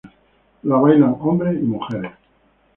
La bailan hombres y mujeres.